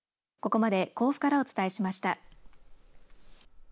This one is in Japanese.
ここまで甲府からお伝えしました。